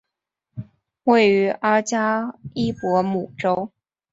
位于阿夸伊博姆州。